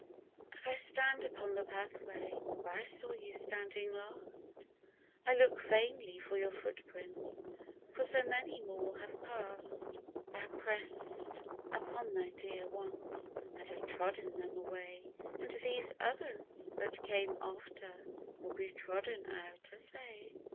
AS I stand upon the pathway where I saw you standing last, I look vainly for your footprints, for so many more have pass'd ; They have press'd upon those dear ones, and have trodden them away. And these others, that came after, will be trodden out as they.